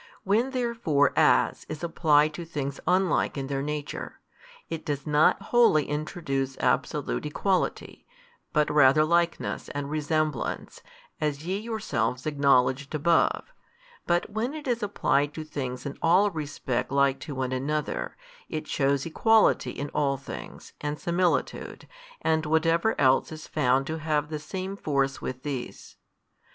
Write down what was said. When therefore As is applied to things unlike in their nature, it does not wholly introduce absolute equality, but rather likeness and resemblance, as ye yourselves acknowledged above; but when it is applied to things in all respects like to one another, it shews equality in all things and similitude and whatever else is found to have the same force with these.